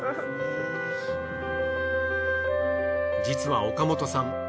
実は岡本さん